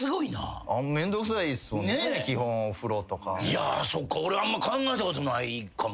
いやそっか俺あんま考えたことないかも。